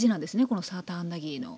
このサーターアンダギーの。